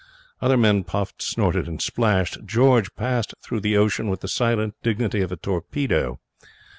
Other men puffed, snorted, and splashed. George passed through the ocean with the silent dignity of a torpedo.